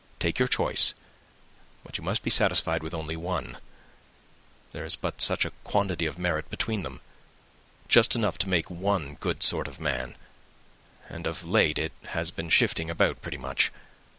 Take your choice, but you must be satisfied with only one. There is but such a quantity of merit between them; just enough to make one good sort of man; and of late it has been shifting about pretty much.